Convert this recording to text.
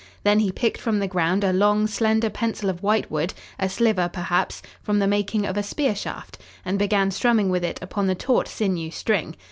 Then he picked from the ground a long, slender pencil of white wood, a sliver, perhaps, from the making of a spear shaft, and began strumming with it upon the taut sinew string.